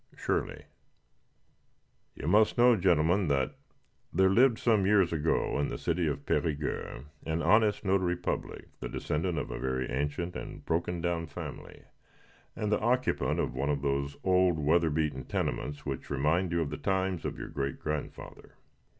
Shirley. You must know, gentlemen, that there lived some years ago, in the city of Périgueux, an honest notary public, the descendant of a very ancient and broken down family, and the occupant of one of those old weather beaten tenements which remind you of the times of your great grandfather.